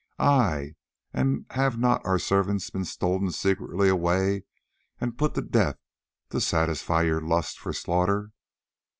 Ay, and have not our servants been stolen secretly away and put to death to satisfy your lust for slaughter?